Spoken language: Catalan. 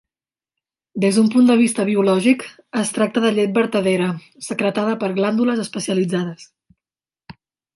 Des d'un punt de vista biològic, es tracta de llet vertadera, secretada per glàndules especialitzades.